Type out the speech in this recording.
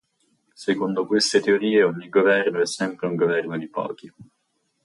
Secondo queste teorie, ogni governo è sempre un governo di pochi.